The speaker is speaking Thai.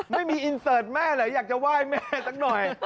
ไม่มีอินเสิร์ตแม่เหรออยากจะไหว้แม่สักหน่อย